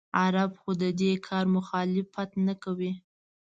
عرب خو د دې کار مخالفت نه کوي.